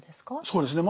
そうですね